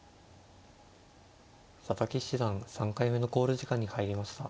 佐々木七段３回目の考慮時間に入りました。